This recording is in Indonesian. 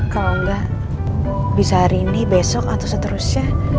kalau nggak bisa hari ini besok atau seterusnya